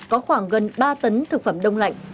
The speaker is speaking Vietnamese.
có khoảng gần ba tấn thực phẩm đông lạnh